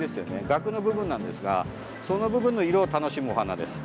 ガクの部分なんですがその部分の色を楽しむお花です。